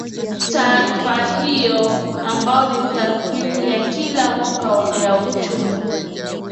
Taarifa hiyo ambayo ni tathmini ya kila mwaka ya uchumi